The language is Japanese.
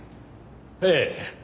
ええ。